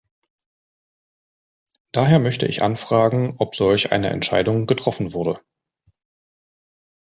Daher möchte ich anfragen, ob solch eine Entscheidung getroffen wurde.